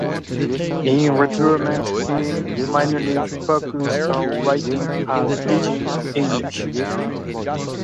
In retirement, he mainly focuses on writing and teaching English.